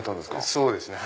そうですね。